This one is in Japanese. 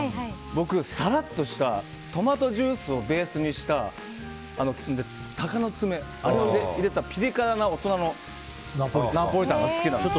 僕、さらっとしたトマトジュースをベースにして鷹の爪を入れたピリ辛な大人なナポリタンが好きなんです。